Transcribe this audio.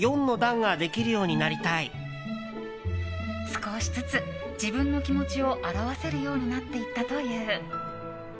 少しずつ、自分の気持ちを表せるようになっていったという。